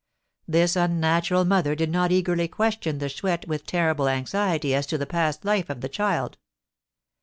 This unnatural mother did not eagerly question the Chouette with terrible anxiety as to the past life of the child.